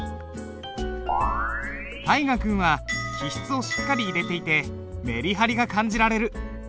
大河君は起筆をしっかり入れていてメリハリが感じられる。